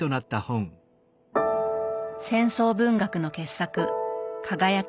戦争文学の傑作